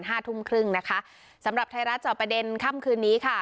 ห้าทุ่มครึ่งนะคะสำหรับไทยรัฐจอบประเด็นค่ำคืนนี้ค่ะ